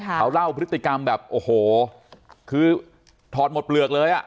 เขาเล่าพฤติกรรมแบบโอ้โหคือถอดหมดเปลือกเลยอ่ะ